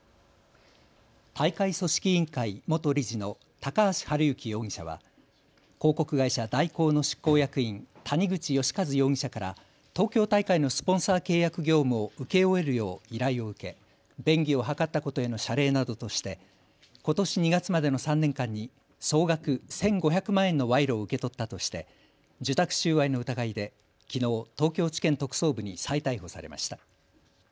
大会組織委員会元理事の高橋治之容疑者は広告会社、大広の執行役員、谷口義一容疑者から東京大会のスポンサー契約業務を請け負えるよう依頼を受け、便宜を図ったことへの謝礼などとしてことし２月までの３年間に総額１５００万円の賄賂を受け取ったとして受託収賄の疑いできのう東京地検特捜部に再逮捕されました。